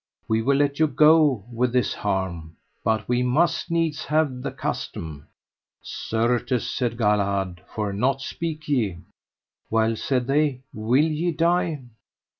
We will let you go with this harm, but we must needs have the custom. Certes, said Galahad, for nought speak ye. Well, said they, will ye die?